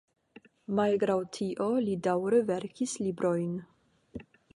Malgraŭ tio li daŭre verkis librojn.